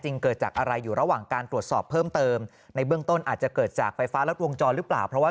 ออกมาดูมันโทนทางนี้หมดแล้ว